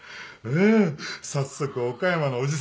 あ早速岡山のおじさんから。